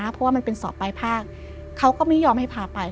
เพราะว่ามันเป็นสอบปลายภาคเขาก็ไม่ยอมให้พาไป